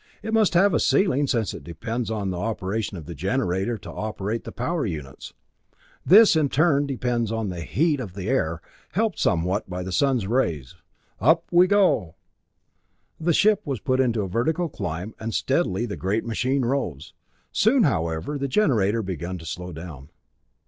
It must have a ceiling, since it depends on the operation of the generator to operate the power units. This, in turn, depends on the heat of the air, helped somewhat by the sun's rays. Up we go!" The ship was put into a vertical climb, and steadily the great machine rose. Soon, however, the generator began to slow down.